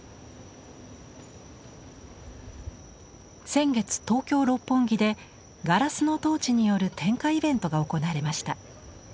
先月東京・六本木でガラスのトーチによる点火イベントが行われました。